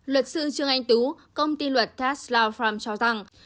luật sư trương anh tú công ty luật tax law farm cho rằng